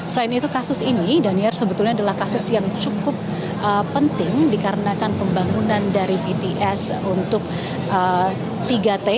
selain itu kasus ini daniar sebetulnya adalah kasus yang cukup penting dikarenakan pembangunan dari bts untuk tiga t